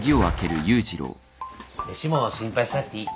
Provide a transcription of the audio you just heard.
飯も心配しなくていい。